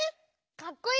かっこいい。